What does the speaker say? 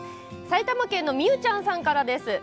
埼玉県のみゆちゃんさんからです。